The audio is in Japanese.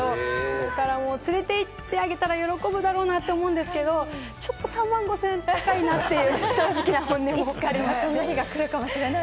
だから連れて行ってあげたら喜ぶだろうなと思うんですけれども、ちょっと３万５０００円は高いなというのが正直なところです。